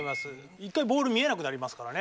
一回ボール見えなくなりますからね。